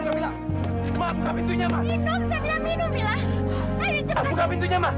sampai jumpa di video selanjutnya